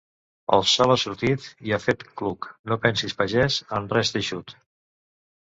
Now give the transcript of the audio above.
El sol ha sortit i ha fet cluc, no pensis, pagès, en res d'eixut.